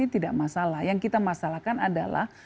tidak masalah yang kita masalahkan adalah